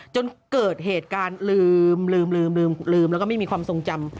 จนเกิดเหตุการณ์ลืมแล้วก็ไม่มีความทรงจำ